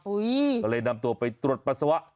ก็เลยนำตัวไปตรวจปัสสาวะ